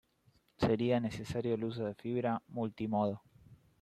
Sería necesario el uso de fibra multimodo.